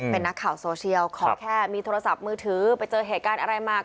เป็นนักข่าวโซเชียลขอแค่มีโทรศัพท์มือถือไปเจอเหตุการณ์อะไรมา